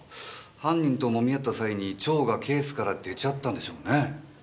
犯人ともみ合った際に蝶がケースから出ちゃったんでしょうね。